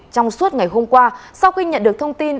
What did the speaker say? trong suốt ngày hôm qua sau khi nhận được thông tin